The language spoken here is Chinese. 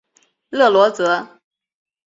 勒罗泽。